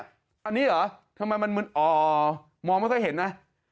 อันนี้เหรอทำไมมันมึนมองไม่ค่อยเห็นนะ